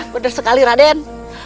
bener sekali raden